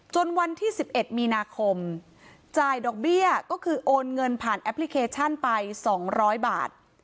วันที่๑๑มีนาคมจ่ายดอกเบี้ยก็คือโอนเงินผ่านแอปพลิเคชันไป๒๐๐บาท